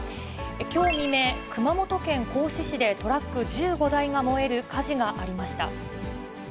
きょう未明、熊本県合志市でトラック１５台が燃える火事がありました。